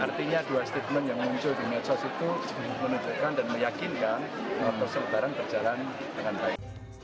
artinya dua statement yang muncul di medsos itu menunjukkan dan meyakinkan proses lebaran berjalan dengan baik